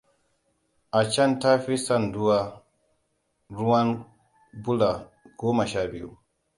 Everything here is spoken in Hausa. A can tafi sanduna ruwan bula goma sha biyu.